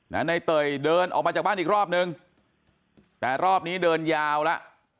ในเตยเดินออกมาจากบ้านอีกรอบนึงแต่รอบนี้เดินยาวแล้ว